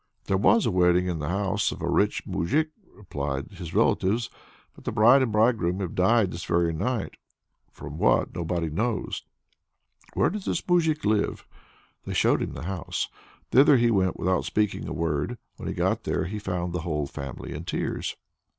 "There was a wedding in the house of a rich moujik," replied his relatives, "but the bride and bridegroom have died this very night what from, nobody knows." "Where does this moujik live?" They showed him the house. Thither he went without speaking a word. When he got there, he found the whole family in tears.